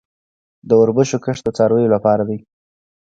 د وربشو کښت د څارویو لپاره دی